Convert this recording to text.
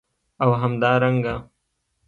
او همدارنګه